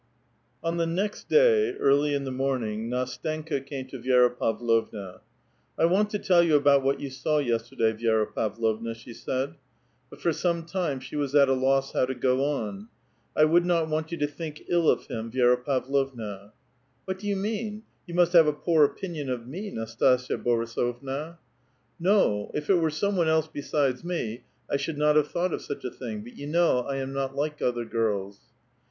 On the next day, early in the morning, Ndstenka came to Vi^Ta Pavlovua. *' I want to tell you about what you saw yesterda}', Vi^ra Pavlovna,'' she said ; but for some time she was at a loss how to go on. ^^1 would not want you to think ill of him, Viera Pavlovna." '* What do you mean? You must have a poor opinion of me, N astasia Borisovua." *' No ; if it were some one else besides me, I should not have thought of such a thing ; but you know I am not like other girls."